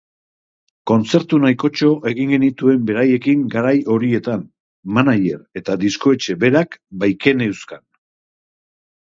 Kontzertu nahikotxo egin genituen beraiekin garai horietan, manager eta diskoetxe berak baikeneuzkan.